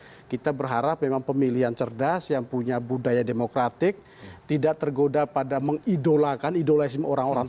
karena kita berharap memang pemilihan cerdas yang punya budaya demokratik tidak tergoda pada mengidolakan idolazim orang orang